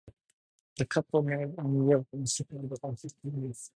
The couple married in New York and separated after two months.